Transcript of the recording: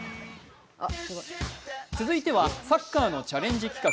続いてはサッカーのチャレンジ企画。